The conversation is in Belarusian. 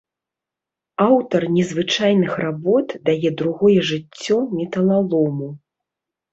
Аўтар незвычайных работ дае другое жыццё металалому.